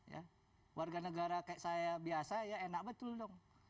ya warga negara kayak saya biasa ya enak betul dong